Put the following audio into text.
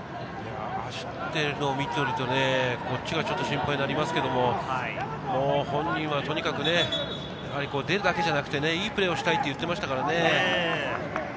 走っているのを見ていると、こっちが心配になりますけれど、本人はとにかく、出るだけじゃなくて、いいプレーをしたいと言っていましたからね。